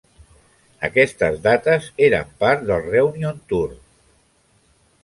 Aquestes dates eren part del Reunion Tour.